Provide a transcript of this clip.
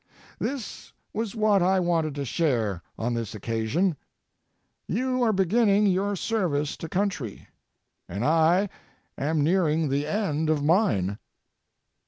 This was what I wanted to share on this occasion. You are beginning your service to country, and I am nearing the end of mine.